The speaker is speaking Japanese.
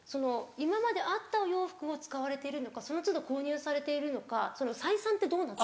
今まであったお洋服を使われているのかその都度購入されているのかその採算ってどう。